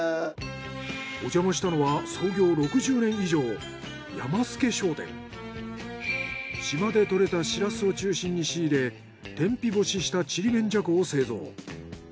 おじゃましたのは創業６０年以上島で獲れたしらすを中心に仕入れ天日干ししたちりめんじゃこを製造。